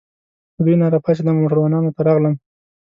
له دوی نه راپاڅېدم او موټروانانو ته راغلم.